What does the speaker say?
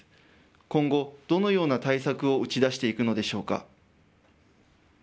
今後、どのような対策を打ち出していくのでしょうか。